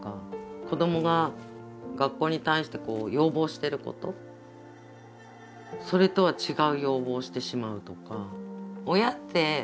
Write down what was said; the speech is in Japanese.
子どもが学校に対して要望してることそれとは違う要望をしてしまうとか。